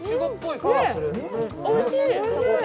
おいしい。